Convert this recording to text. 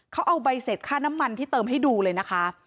เขาเอาใบเสร็จค่าน้ำมันที่เติมให้ดูเลยนะคะ